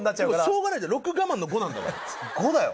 しょうがないじゃん６我慢の５なんだから５だよ。